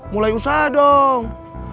mulai usaha dong